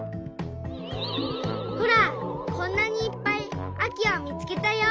ほらこんなにいっぱいあきをみつけたよ！